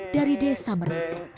dari desa merenggok